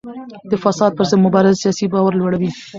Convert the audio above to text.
د فساد پر ضد مبارزه سیاسي باور لوړوي